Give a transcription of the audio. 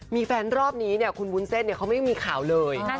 มีแฟนรอบนี้เนี่ยคุณวุ้นเส้นเขาไม่มีข่าวเลย